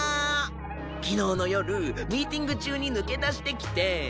昨日の夜ミーティング中に抜け出してきて